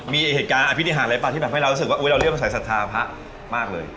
มีเหตุการณ์อภินิหารอะไรป่ะที่แบบให้เรารู้สึกว่าเราเรียกว่าสายศรัทธาพระมากเลย